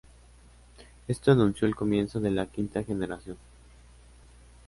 Esto anunció el comienzo de la quinta generación.